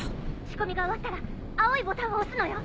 仕込みが終わったら青いボタンを押すのよ。